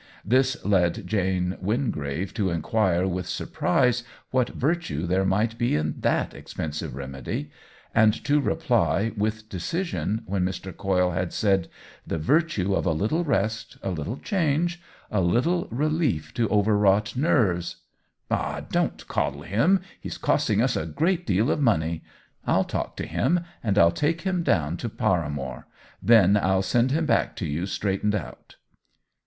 This led Jane Wingrave to inquire with surprise what virtue there might be in that expensive remedy, and to reply, with decision, when Mr. Coyle had said, *' The virtue of a little rest, a little change, a little relief to over OWEN WINGRAVE 169 wrought nerves," "Ah, don't coddle him — he's costing us a great deal of money! I'll talk to him, and I'll take him down to Paramore ; then I'll send him back to you straightened out."